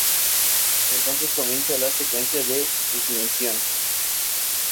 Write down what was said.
Entonces comienza la secuencia de ignición.